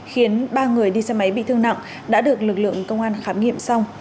khiến ba người đi xe máy bị thương nặng đã được lực lượng công an khám nghiệm xong